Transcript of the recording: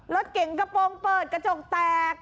รถเก๋งกระโปรงเปิดกระจกแตก